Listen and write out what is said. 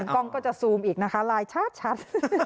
กล้องก็จะซูมอีกนะคะไลน์ชัด